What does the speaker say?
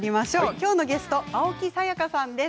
きょうのゲストは青木さやかさんです。